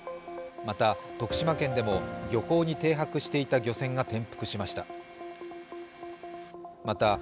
また、徳島県でも漁港に停泊していた漁船が転覆しました。